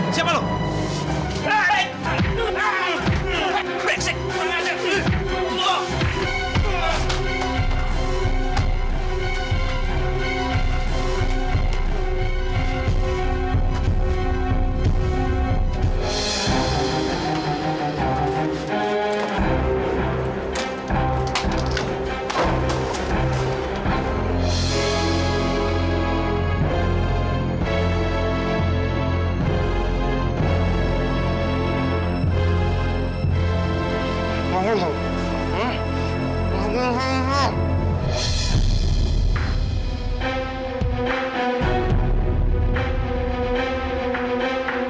kamu ini sebenarnya siapa